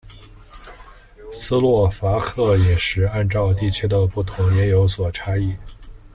斯洛伐克饮食按照地区的不同也有所差异。